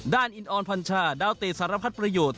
ด้านอินอลพันชาดาวเตสารพัดประโยชน์